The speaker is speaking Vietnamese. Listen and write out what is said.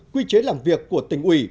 quy chế làm việc của tỉnh uỷ